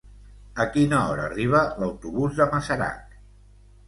A quina hora arriba l'autobús de Masarac?